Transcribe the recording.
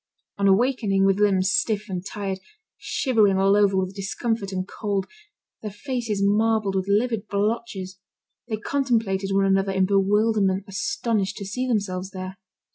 On awakening, with limbs stiff and tired, shivering all over with discomfort and cold, their faces marbled with livid blotches, they contemplated one another in bewilderment, astonished to see themselves there.